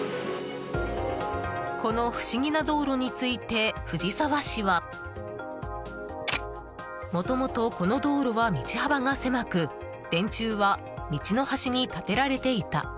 この不思議な道路について藤沢市はもともとこの道路は道幅が狭く電柱は道の端に立てられていた。